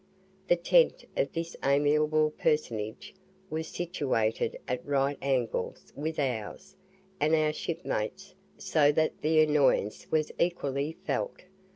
The tent of this "amiable" personage was situated at right angles with ours and our shipmates, so that the annoyance was equally felt.